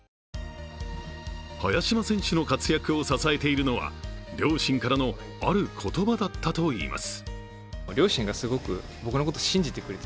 早嶋選手の活躍を支えているのは両親からのある言葉だったといいます。